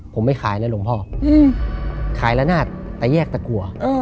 ผมไม่ขายแล้วหลวงพ่อขายละนาดตะแยกตะกัว